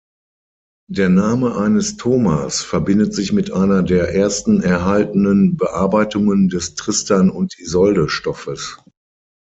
Der Name eines 'Thomas' verbindet sich mit einer der ersten erhaltenen Bearbeitungen des Tristan-und-Isolde-Stoffes.